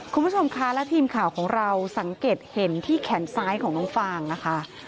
คุณผู้ชมคะและทีมข่าวของเราสังเกตเห็นที่แขนซ้ายของน้องฟางนะคะ